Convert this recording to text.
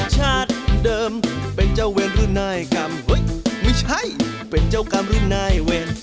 ชาติเดิมเป็นเจ้าเวรหรือนายกรรมเฮ้ยไม่ใช่เป็นเจ้ากรรมหรือนายเวร